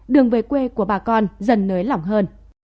đường về quê của bà con dần nới lỏng hơn